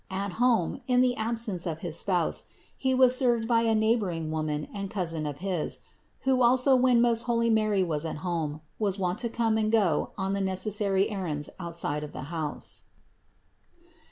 At home, in the absence of his Spouse, he was served by a neigh boring woman and cousin of his, who, also when most holy Mary was at home, was wont to come and go on the necessary errands outside of the house.